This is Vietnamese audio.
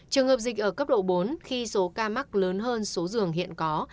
trường hợp dịch ở cấp độ bốn khi số ca mắc lớn hơn số giường hiện có